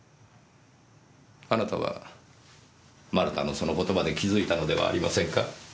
あなたは丸田のその言葉で気づいたのではありませんか？